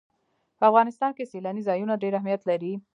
په افغانستان کې سیلانی ځایونه ډېر اهمیت لري.